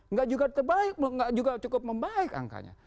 nggak juga cukup membaik angkanya